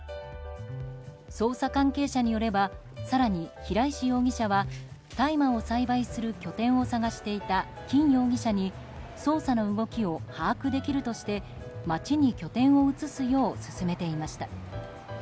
捜査関係者によれば更に平石容疑者は大麻を栽培する拠点を探していたキン容疑者に捜査の動きを把握できるとして街に拠点を移すよう勧めていました。